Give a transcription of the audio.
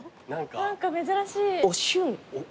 何か珍しい。